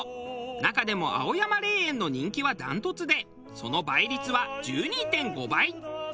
中でも青山霊園の人気は断トツでその倍率は１２．５倍。